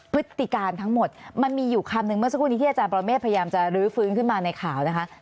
พฤติการทั้งหมดมันมีอยู่คำนึงเมื่อสักครู่นี้ที่อาจารย์ปรเมฆพยายามจะลื้อฟื้นขึ้นมาในข่าวนะคะ